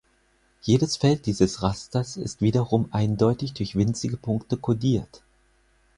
Jedes Feld dieses Rasters ist wiederum eindeutig durch winzige Punkte kodiert.